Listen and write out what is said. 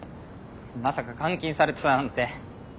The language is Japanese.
まさか監禁されてたなんて。